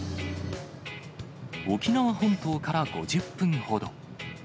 沖縄本島から５０分ほど。